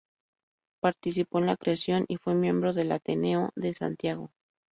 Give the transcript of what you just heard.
Participó en la creación, y fue miembro del Ateneo de Santiago.